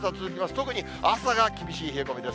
特に朝が厳しい冷え込みです。